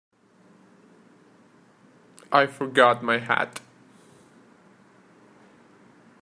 I forgot my hat.